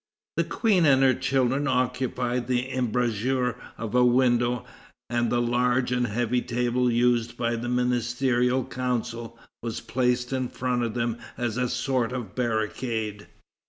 The Queen and her children occupied the embrasure of a window, and the large and heavy table used by the ministerial council was placed in front of them as a sort of barricade.